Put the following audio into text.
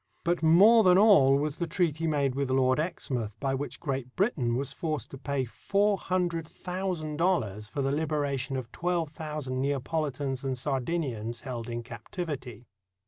But more than all was the treaty made with Lord Exmouth by which Great Britain was forced to pay four hundred thousand dollars for the liberation of twelve thousand Neapolitans and Sardinians held in captivity.